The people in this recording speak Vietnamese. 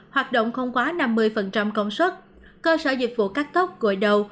hoạt động không quá năm mươi công suất cơ sở dịch vụ cắt tóc gội đầu